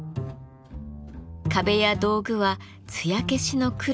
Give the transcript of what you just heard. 壁や道具はつや消しの黒で統一。